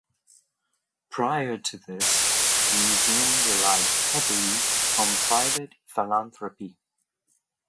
Prior to this the museum relied heavily on private philanthropy.